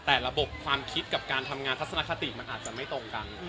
แต่ระบบความคิดกับการทำงานทัศนคติมันอาจจะไม่ตรงกัน